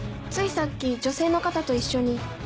ついさっき女性の方と一緒に。